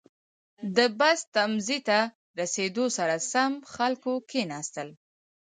• د بس تمځي ته رسېدو سره سم، خلکو کښېناستل.